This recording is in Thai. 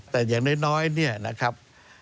แต่อย่างน้อยนะครับ